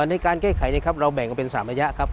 ในการแก้ไขนะครับเราแบ่งกันเป็น๓ระยะครับ